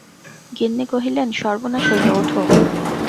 গিন্নি কহিলেন, সর্বনাশ হইল ওঠো।